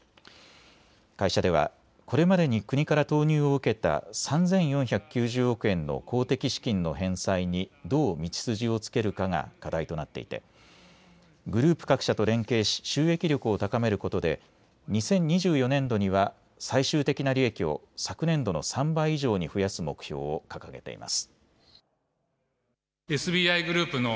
会社ではこれまでに国から投入を受けた３４９０億円の公的資金の返済にどう道筋をつけるかが課題となっていてグループ各社と連携し収益力を高めることで２０２４年度には最終的な利益を昨年度の３倍以上に増やす目標を掲げています。